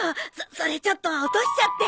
それちょっと落としちゃって。